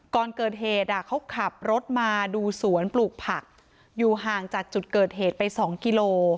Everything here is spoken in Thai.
ก่อนเกิดเหตุเขาขับรถมาดูสวนปลูกผักอยู่ห่างจากจุดเกิดเหตุไปสองกิโล